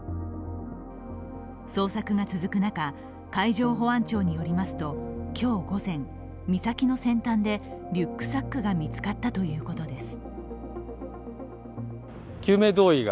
捜索が続く中、海上保安庁によりますと今日午前、岬の先端でリュックサックが見つかったということです。